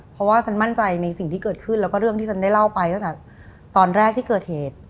เพราะว่าฉันมั่นใจในสิ่งที่เกิดขึ้นแล้วก็เรื่องที่ฉันได้เล่าไปตั้งแต่ตอนแรกที่เกิดเหตุ